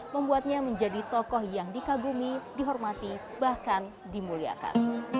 membuatnya menjadi tokoh yang dikagumi dihormati bahkan dimuliakan